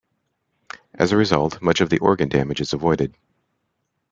As a result, much of the organ damage is avoided.